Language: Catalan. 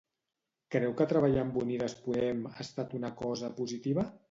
Creu que treballar amb Unides Podem ha estat una cosa positiva?